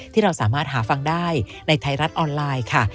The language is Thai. ที่เราสามารถหาฟังได้ในไทยรัฐออนไลน์ค่ะ